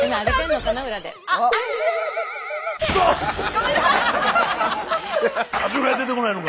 ごめんなさい！